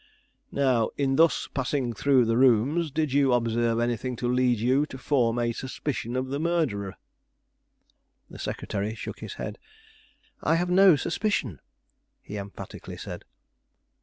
"Now, in thus passing through the rooms, did you observe anything to lead you to form a suspicion of the murderer?" The secretary shook his head. "I have no suspicion," he emphatically said.